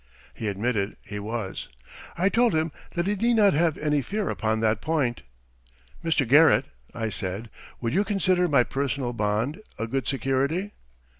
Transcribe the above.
He admitted he was. I told him that he need not have any fear upon that point. "Mr. Garrett," I said, "would you consider my personal bond a good security?"